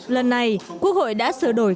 lần này quốc hội đã sở đổi